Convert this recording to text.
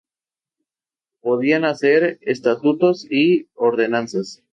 Podían hacer estatutos y ordenanzas.